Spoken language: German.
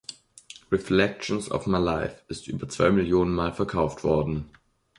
„Reflections of My Life“ ist über zwei Millionen Mal verkauft worden.